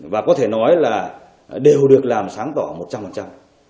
và có thể nói là đều được làm sáng tỏ một trăm linh